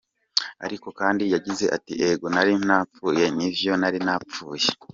Ariko kandi yagize ati: "Ego nari napfuye, ni vyo nari napfuye.